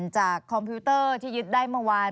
คอมพิวเตอร์ที่ยึดได้เมื่อวาน